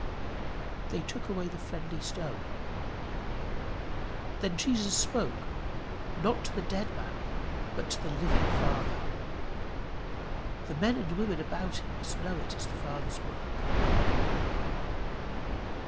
They took away the friendly stone. Then Jesus spoke, not to the dead man, but to the living Father. The men and women about him must know it as the Father's work.